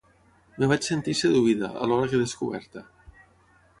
Em vaig sentir seduïda, alhora que descoberta.